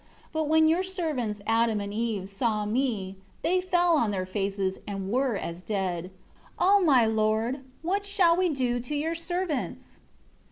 13 But when Your servants, Adam and Eve, saw me, they fell on their faces, and were as dead. O my Lord, what shall we do to Your servants?"